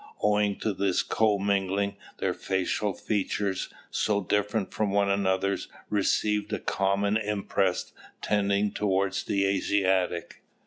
"Owing to this co mingling, their facial features, so different from one another's, received a common impress, tending towards the Asiatic.